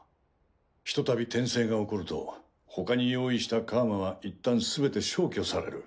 ひとたび転生が起こると他に用意した楔はいったんすべて消去される。